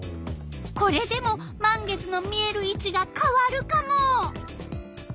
これでも満月の見える位置がかわるカモ。